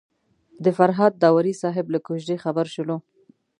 د فرهاد داوري صاحب له کوژدې خبر شولو.